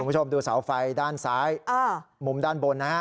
คุณผู้ชมดูเสาไฟด้านซ้ายมุมด้านบนนะฮะ